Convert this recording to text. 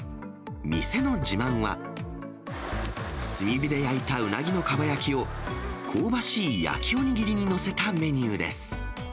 店の自慢は、炭火で焼いたうなぎのかば焼きを、香ばしい焼きお握りに載せたメニューです。